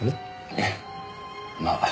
ええまあ。